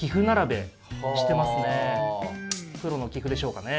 プロの棋譜でしょうかね。